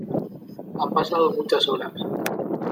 han pasado muchas horas.